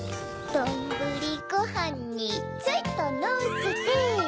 どんぶりごはんにちょいとのせて